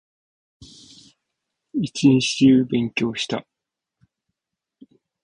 一日中勉強していた